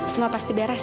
semua pasti baras